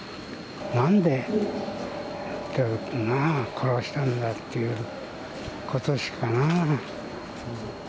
なんで殺したんだっていうことしかなぁ。